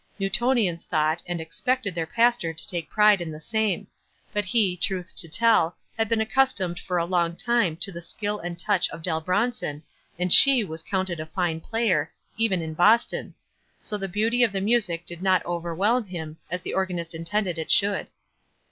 Newtonians thought, and expect ed their pastor to take pride in the same; but he, truth to tell, had been accustomed for a Ion. time to the skill and touch of Dell Bron son, and she was counted a fine player, even in Boston ; so the beauty of the music did not overwhelm him, as the organist intended it should.